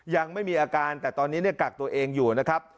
ยังไม่มีอาการแต่ตอนนี้กักตัวเองอยู่นะครับ